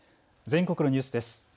全国のニュースです。